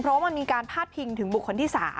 เพราะว่ามันมีการพาดพิงถึงบุคคลที่๓